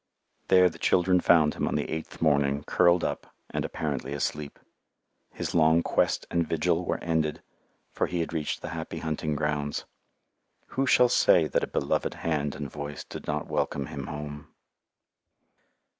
There the children found him on the eighth morning curled up and apparently asleep. His long quest and vigil were ended, for he had reached the happy hunting grounds. Who shall say that a beloved hand and voice did not welcome him home?